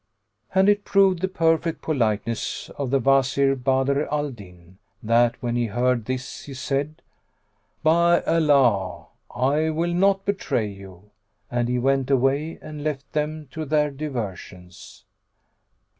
And it proved the perfect politeness of the Wazir Badr al Din that, when he heard this, he said, "By Allah, I will not betray you!" And he went away and left them to their diversions.